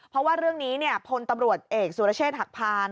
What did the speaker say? เพราะว่าเรื่องนี้พลตำรวจเอกสุรเชษฐหักพาน